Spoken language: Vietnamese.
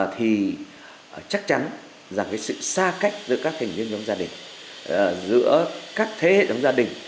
thì chắc chắn rằng sự xa cách giữa các hình dung nhóm gia đình giữa các thế hệ nhóm gia đình